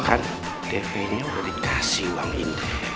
kan dp nya udah dikasih uang ini